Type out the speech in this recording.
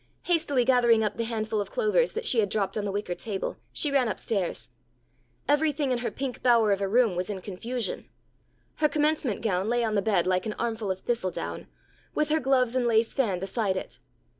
Hastily gathering up the handful of clovers that she had dropped on the wicker table, she ran upstairs. Everything in her pink bower of a room was in confusion. Her Commencement gown lay on the bed like an armful of thistledown, with her gloves and lace fan beside it.